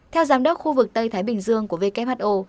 theo giám đốc khu vực tây thái bình dương của who